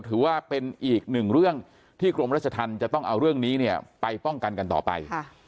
ถือว่าเป็นอีกหนึ่งเรื่องที่กรมรัชธรรมจะต้องเอาเรื่องนี้เนี่ยไปป้องกันกันต่อไป